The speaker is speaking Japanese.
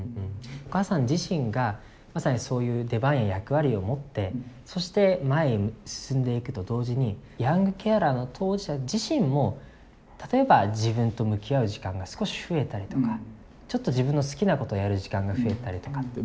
お母さん自身がまさにそういう出番や役割を持ってそして前に進んでいくと同時にヤングケアラーの当事者自身も例えば自分と向き合う時間が少し増えたりとかちょっと自分の好きなことをやる時間が増えたりとかって。